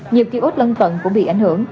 nhiều kì ốt lân phận cũng bị ảnh hưởng